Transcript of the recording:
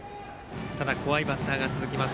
怖いバッターが続きます。